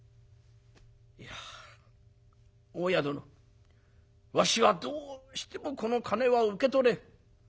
「いや大家殿わしはどうしてもこの金は受け取れん。